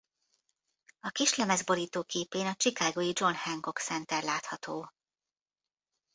A kislemez borítóképén a Chicago-i John Hancock Center látható.